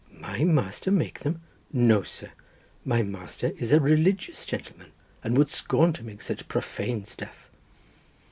"My master make them? No, sir; my master is a religious gentleman, and would scorn to make such profane stuff."